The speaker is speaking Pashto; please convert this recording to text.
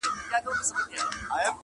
بيزو وان د خپل تقدير د دام اسير وو؛